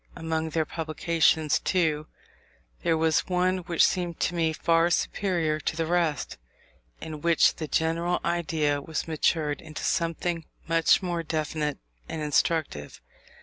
Among their publications, too, there was one which seemed to me far superior to the rest; in which the general idea was matured into something much more definite and instructive.